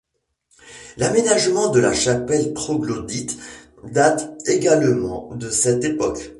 L’aménagement de la chapelle troglodyte date également de cette époque.